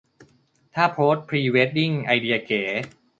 ท่าโพสพรีเวดดิ้งไอเดียเก๋